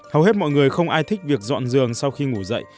hầu hết mọi người không ai thích việc dọn giường sau khi ngủ dậy